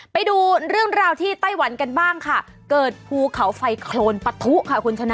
ไปดูเรื่องราวที่ไต้หวันกันบ้างค่ะเกิดภูเขาไฟโครนปะทุค่ะคุณชนะ